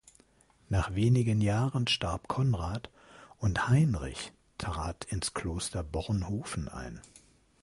Nach wenigen Jahren starb Konrad, und Heinrich trat ins Kloster Bornhofen ein.